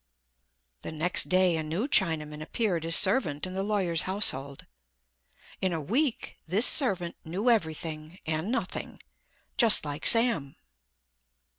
The next day a new Chinaman appeared as servant in the lawyer's household. In a week this servant knew everything, and nothing, just like Sam.